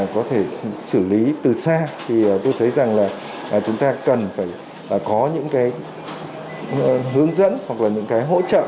có thể xử lý từ xa thì tôi thấy rằng là chúng ta cần phải có những cái hướng dẫn hoặc là những cái hỗ trợ